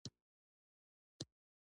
دا نجلۍ دې څه ده؟